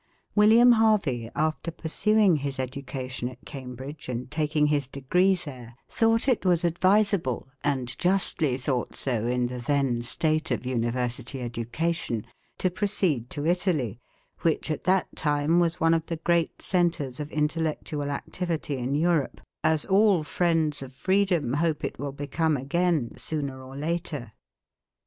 William Harvey, after pursuing his education at Cambridge, and taking his degree there, thought it was advisable and justly thought so, in the then state of University education to proceed to Italy, which at that time was one of the great centres of intellectual activity in Europe, as all friends of freedom hope it will become again, sooner or later.